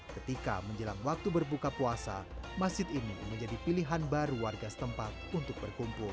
ketika menjelang waktu berbuka puasa masjid ini menjadi pilihan baru warga setempat untuk berkumpul